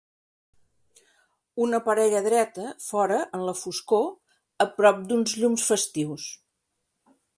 una parella dreta fora en la foscor a prop d'uns llums festius.